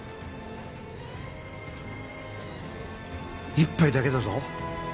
１杯だけだぞ。